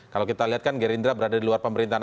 kalau kita lihat kan gerindra berada di luar pemerintahan